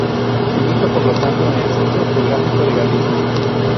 Se ubica, por lo tanto, en el Centro Geográfico de Galicia.